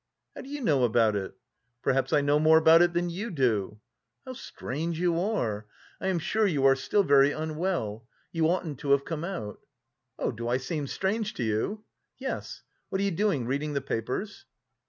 "How do you know about it?" "Perhaps I know more about it than you do." "How strange you are.... I am sure you are still very unwell. You oughtn't to have come out." "Oh, do I seem strange to you?" "Yes. What are you doing, reading the papers?"